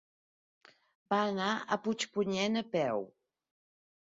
Va anar a Puigpunyent a peu.